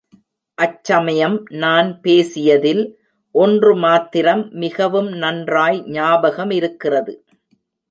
அச்சமயம் நான் பேசியதில் ஒன்று மாத்திரம் மிகவும் நன்றாய் ஞாபகமிருக்கிறது.